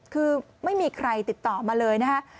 คือไม่มีใครติดต่อมาเลยนะคะ